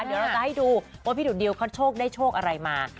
เดี๋ยวเราจะให้ดูว่าพี่ดุดดิวเขาโชคได้โชคอะไรมา